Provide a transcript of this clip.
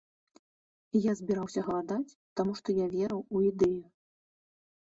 Я збіраўся галадаць, таму што я верыў у ідэю.